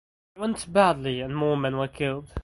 It went badly and more men were killed.